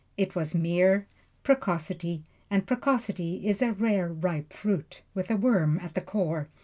It was mere precocity, and precocity is a rareripe fruit, with a worm at the core.